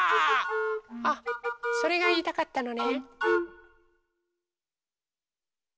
あっそれがいいたかったのね。